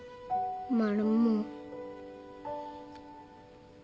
マルモ。